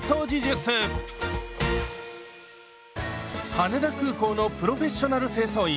羽田空港のプロフェッショナル清掃員